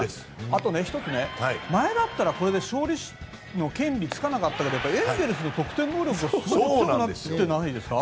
あと１つ前だったら勝利投手の権利がつかなかったけどエンゼルスの得点力はすごくないですか。